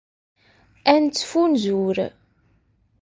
Ad nettfunzur.